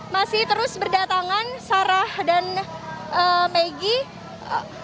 masih terus berdatangan sarah dan maggie